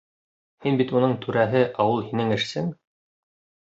Һин бит уның түрәһе, ә ул һинең эшсең!..